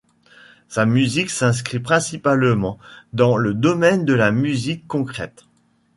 Sa musique s'inscrit principalement dans le domaine de la musique concrète.